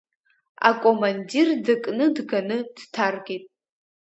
Акомандир дыкны дганы дҭаркит.